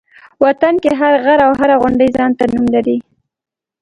وطن کې هر غر او هره غونډۍ ځان ته نوم لري.